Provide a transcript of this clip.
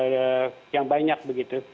gelombang yang banyak begitu